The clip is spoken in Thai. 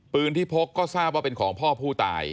ที่พกก็ทราบว่าเป็นของพ่อผู้ตาย